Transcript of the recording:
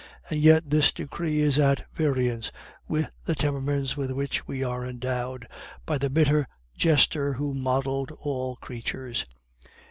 And yet this decree is at variance with the temperaments with which we were endowed by the bitter jester who modeled all creatures."